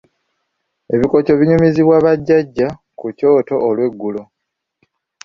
Ebikoco binyumizibwa bajjajja ku kyoto olweggulo.